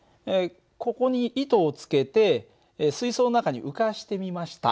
ここに糸をつけて水そうの中に浮かしてみました。